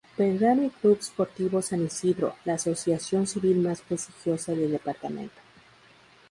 Belgrano y 'Club Sportivo San Isidro, la asociación civil más prestigiosa del departamento.